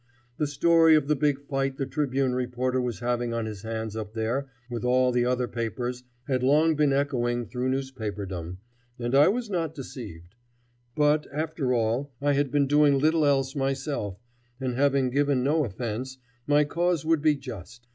The story of the big fight the Tribune reporter was having on his hands up there with all the other papers had long been echoing through newspaperdom, and I was not deceived. But, after all, I had been doing little else myself, and, having given no offence, my cause would be just.